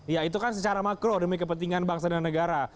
ya itu kan secara makro demi kepentingan bangsa dan negara